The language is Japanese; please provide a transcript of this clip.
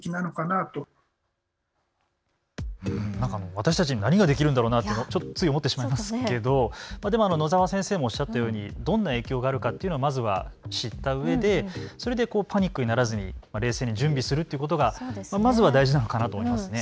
私たちに何ができるんだろうなとつい思っちゃいますけど野澤先生もおっしゃったようにどんな影響があるかというのをまずは知ったうえでそれでパニックにならず冷静に準備するということがまずは大事なのかなと思いますね。